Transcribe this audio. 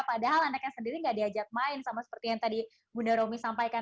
padahal anaknya sendiri nggak diajak main sama seperti yang tadi bunda romi sampaikan